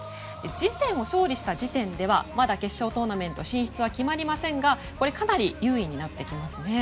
次戦を勝利した時点ではまだ決勝トーナメント進出は決まりませんがかなり優位になってきますね。